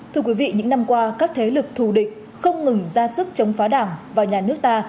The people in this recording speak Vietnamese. thưa quý vị những năm qua các thế lực thù địch không ngừng ra sức chống phá đảng và nhà nước ta